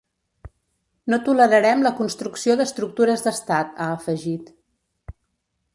No tolerarem la construcció d’estructures d’estat, ha afegit.